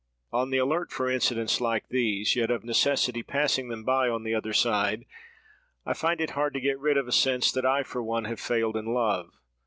"On the alert for incidents like these, yet of necessity passing them by on the other side, I find it hard to get rid of a sense that I, for one, have failed in love.